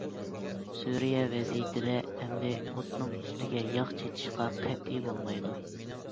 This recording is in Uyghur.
سۈرىيە ۋەزىيىتىدە ئەمدى ئوتنىڭ ئۈستىگە ياغ چېچىشقا قەتئىي بولمايدۇ.